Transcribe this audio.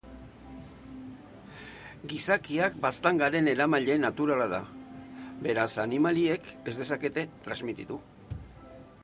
Gizakia baztangaren eramaile naturala da; beraz, animaliek ez dezakete transmititu.